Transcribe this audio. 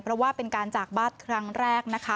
เพราะว่าเป็นการจากบ้านครั้งแรกนะคะ